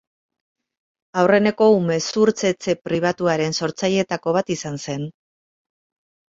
Aurreneko umezurtz-etxe pribatuaren sortzaileetako bat izan zen.